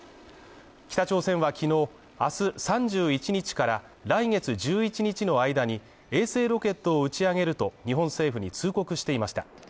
北朝鮮はきのう、あす３１日から来月１１日の間に衛星ロケットを打ち上げると、日本政府に通告していました。